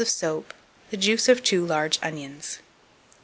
of soap, the juice of 2 large onions.